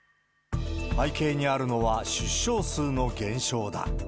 背景にあるのは、出生数の減少だ。